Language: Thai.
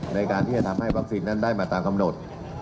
ในการที่จะทำให้วัคซีนนั้นได้มาตามกำหนด